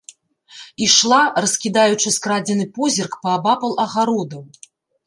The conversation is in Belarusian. Ішла, раскідаючы скрадзены позірк паабапал агародаў.